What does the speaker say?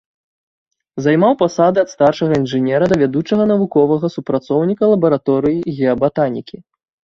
Займаў пасады ад старшага інжынера да вядучага навуковага супрацоўніка лабараторыі геабатанікі.